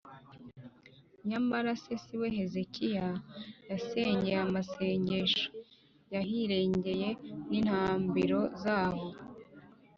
nyamara se si we Hezekiya yasenyeye amasengero y’ahirengeye n’intambiro zaho,